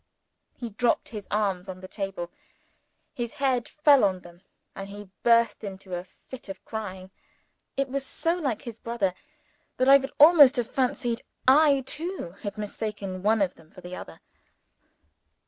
He dropped his arms on the table: his head fell on them, and he burst into a fit of crying. It was so like his brother, that I could almost have fancied I, too, had mistaken one of them for the other.